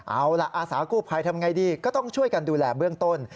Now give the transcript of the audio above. เอาล่ะอาสากู้ภัยทำไงดีก็ต้องช่วยกันดูแลเบื้องต้น